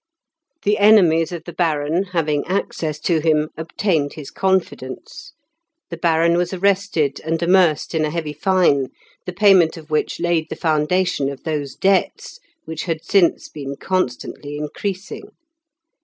The enemies of the Baron, having access to him, obtained his confidence; the Baron was arrested and amerced in a heavy fine, the payment of which laid the foundation of those debts which had since been constantly increasing.